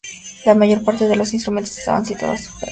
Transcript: La mayor parte de los instrumentos estaban situados en subterráneos.